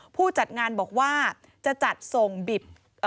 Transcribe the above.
ผู้จัดงานบอกว่าจะจัดส่งบิบ